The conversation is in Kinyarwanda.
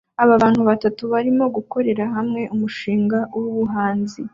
Aba bantu batanu barimo gukorera hamwe umushinga wubuhanzi